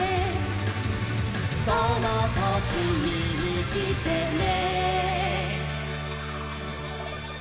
「そのときみにきてね」